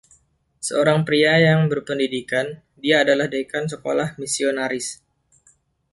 Seorang pria yang berpendidikan, dia adalah dekan sekolah misionaris.